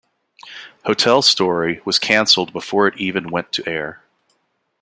"Hotel Story" was cancelled before it even went to air.